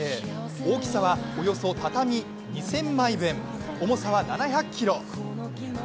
大きさはおよそ畳２０００枚分重さは７００ｋｇ。